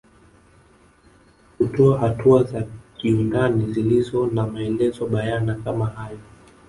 Hutoa hatua za kiundani zilizo na maelezo bayana kama hayo